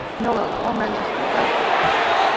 Ñuqaqa wamrallaykimi kaykaa.